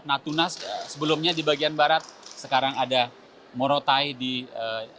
natuna sebelumnya di bagian barat sekarang ada morotai di indonesia